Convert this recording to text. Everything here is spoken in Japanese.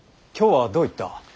今日はどういった。